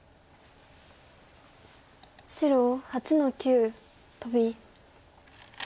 白８の九トビ。